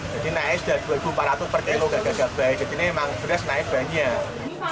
jadi naik rp dua empat ratus per kilo jadi ini memang beras naik banyak